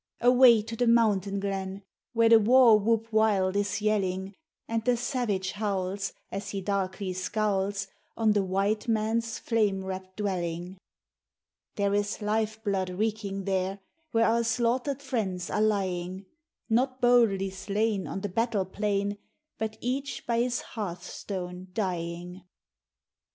Away to the mountain glen! Where the warwhoop wild is yelling, And the savage howls As he darkly scowls On the white man's flame wrapped dwelling. There is life blood reeking there! Where our slaughtered friends are lying; Not boldly slain On the battle plain, But each by his hearth stone dying.